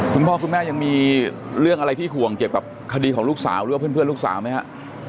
คุณพ่อคุณแม่ยังมีเรื่องอะไรที่ห่วงเกี่ยวกับคดีของลูกสาวหรือว่าเพื่อนลูกสาวไหมฮะ